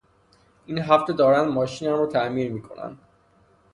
این هفته دارند ماشینم را تعمیر میکنند.